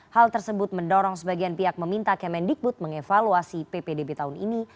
hal tersebut mendorong sebagian pihak meminta kemendikbud mengevaluasi ppdb tahun ini